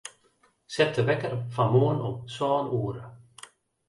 Set de wekker foar moarn om sân oere.